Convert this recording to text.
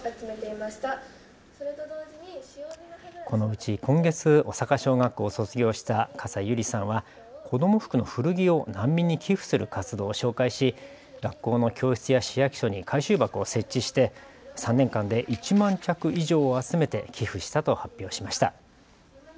このうち今月、小坂小学校を卒業した笠井ゆりさんは子ども服の古着を難民に寄付する活動を紹介し学校の教室や市役所に回収箱を設置して３年間で１万着以上を集めて寄付したと発表しました。